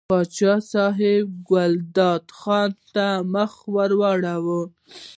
پاچا صاحب ګلداد خان ته مخ ور واړاوه.